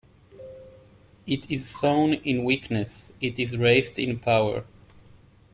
It is sown in weakness, it is raised in power.